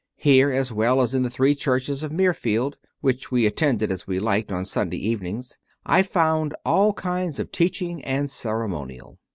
Here, as well as in the three churches of Mirfield, which we attended as we liked on Sunday evenings, I found all kinds of teaching and ceremonial.